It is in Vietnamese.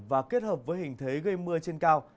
và kết hợp với hình thế gây mưa trên cao